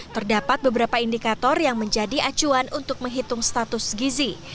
terdapat beberapa indikator yang menjadi acuan untuk menghitung status gizi